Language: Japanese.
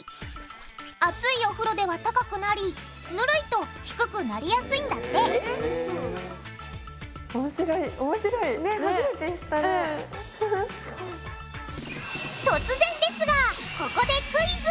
熱いお風呂では高くなりぬるいと低くなりやすいんだって突然ですがここでクイズ！